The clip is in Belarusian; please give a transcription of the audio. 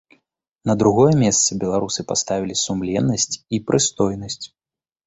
На другое месца беларусы паставілі сумленнасць і прыстойнасць.